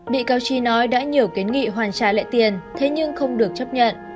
bị cáo trí nói đã nhiều kiến nghị hoàn trả lại tiền thế nhưng không được chấp nhận